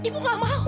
ibu gak mau